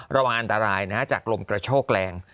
ระวังอันตรายจากลมกระโชกแรง